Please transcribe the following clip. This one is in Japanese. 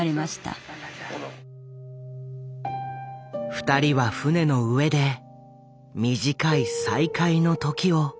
２人は船の上で短い再会の時を過ごした。